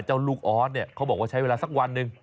เจ้าลูกออสเนี่ยเขาบอกว่าใช้เวลาสักวันหนึ่ง